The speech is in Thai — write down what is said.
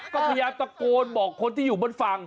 ก็พยายามตะโกนบอกคนที่อยู่บนฝั่ง